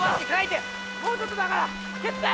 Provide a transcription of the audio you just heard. もうちょっとだからけって！